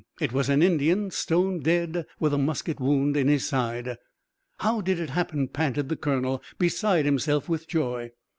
It was an Indian, stone dead, with a musket wound in his side. "How did it happen?" panted the colonel, beside himself with joy.